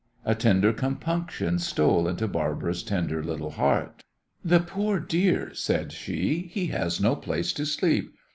A tender compunction stole into Barbara's tender little heart. "The poor dear," said she, "he has no place to sleep.